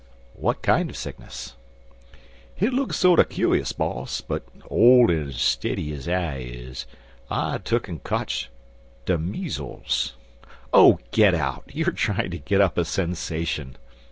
"What kind of sickness?" "Hit look sorter cu'ous, boss, but ole an' steddy ez I is, I tuck'n kotch de meezles." "Oh, get out! You are trying to get up a sensation."